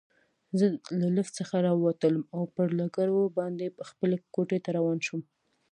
زه له لفټ څخه راووتلم او پر لکړو باندې خپلې کوټې ته روان شوم.